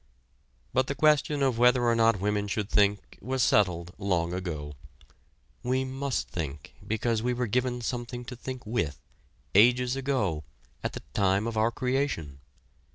But the question of whether or not women should think was settled long ago. We must think because we were given something to think with, ages ago, at the time of our creation.